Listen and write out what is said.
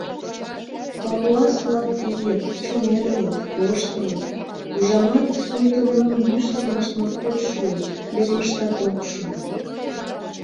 Папуас-влак ийыт, чумедылыт, воштылыт — ужамат, пуйто нунын йӱштылмышт моткоч шуын, лекмыштат ок шу.